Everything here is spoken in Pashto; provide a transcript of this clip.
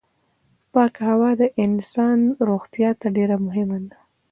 پاکه هوا د انسان روغتيا ته ډېره مهمه ده.